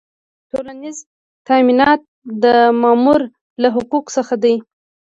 ټولیز تامینات د مامور له حقوقو څخه دي.